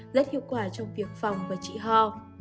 rất hiệu quả trong việc phòng và trị ho